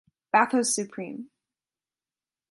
Bathos supreme.